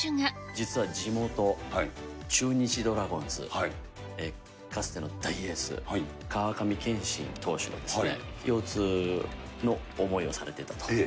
実は地元、中日ドラゴンズ、かつての大エース、川上憲伸投手が腰痛の思いをされてたと。